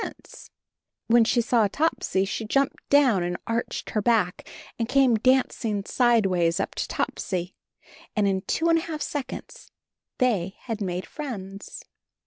When she saw Topsy she jumped down and arched her back and came dancing sideways up to Topsy — and in two and a half seconds they had made friends.